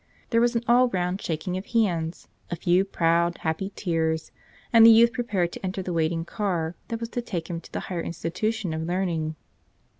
There was an all round shaking of hands, a few proud, happy tears, and the youth pre¬ pared to enter the waiting car that was to take him to the higher institution of learning.